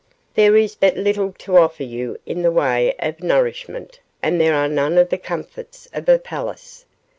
There is but little to offer you in the way of nourishment, and there are none of the comforts of a palace.